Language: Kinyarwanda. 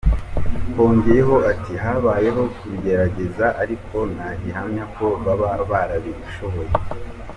Yongeyeho ati “ Habayeho kubigerageza ariko nta gihamya ko baba barabishoboye.